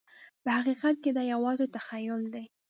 په حقیقت کې دا یوازې تخیل دی.